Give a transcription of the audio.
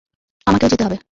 আমাকেও যেতে হবে!